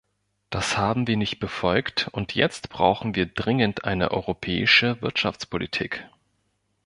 Das haben wir nicht befolgt, und jetzt brauchen wir dringend eine europäische Wirtschaftspolitik.